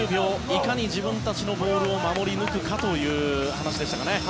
いかに自分たちのボールを守り抜くかという話でしたかね。